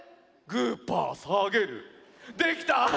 できた！